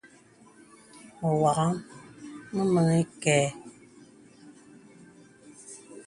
Me wàŋhaŋ me meŋhī kɛ̄.